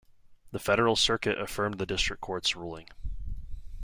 The Federal Circuit affirmed the District Court's ruling.